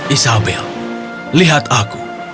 isabel lihat aku